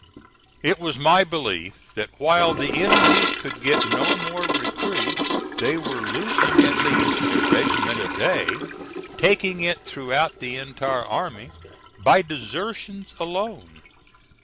It was my belief that while the enemy could get no more recruits they were losing at least a regiment a day, taking it throughout the entire army, by desertions alone.